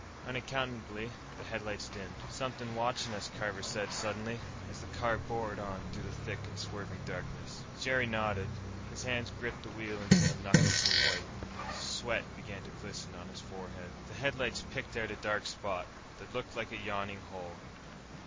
Unaccountably, the headlights dimmed. "Somethin' watchin' us," Carver said suddenly, as the car bored on through the thick and swirling darkness. Jerry nodded. His hands gripped the wheel until the knuckles were white. Sweat began to glisten on his forehead. The headlights picked out a dark spot, that looked like a yawning hole.